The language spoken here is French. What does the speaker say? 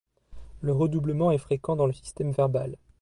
Le redoublement est fréquent dans le système verbal.